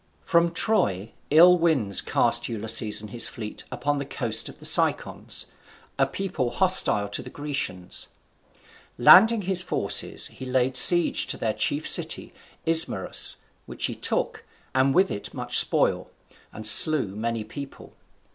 From Troy, ill winds cast Ulysses and his fleet upon the coast of the Cicons, a people hostile to the Grecians. Landing his forces, he laid siege to their chief city, Ismarus, which he took, and with it much spoil, and slew many people.